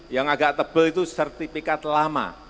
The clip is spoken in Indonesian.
yang agak tebal itu sertifikat lama